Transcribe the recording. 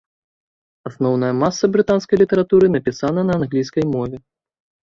Асноўная маса брытанскай літаратуры напісана на англійскай мове.